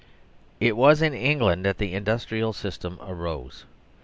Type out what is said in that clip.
It was in England that the Industrial System arose.